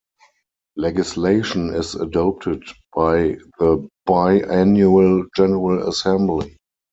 Legislation is adopted by the biannual general assembly.